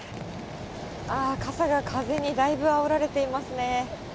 ああ、傘が風にだいぶあおられていますね。